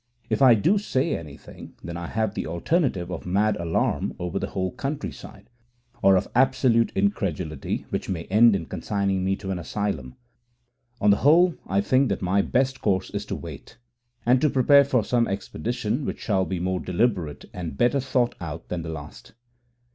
If I do say anything, then I have the alternative of mad alarm over the whole countryside, or of absolute incredulity which may end in consigning me to an asylum. On the whole, I think that my best course is to wait, and to prepare for some expedition which shall be more deliberate and better thought out than the last.